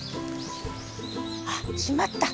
あっしまった！